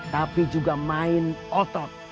tapi juga main otot